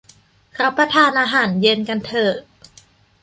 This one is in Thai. รับประทานอาหารเย็นกันเถอะ